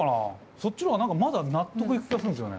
そっちの方が何かまだ納得いく気がするんすよね。